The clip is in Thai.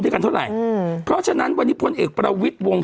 ด้วยกันเท่าไหร่อืมเพราะฉะนั้นวันนี้พลเอกประวิทย์วง